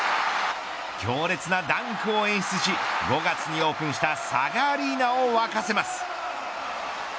強烈なダンクを演出し５月にオープンしたＳＡＧＡアリーナを沸かせます。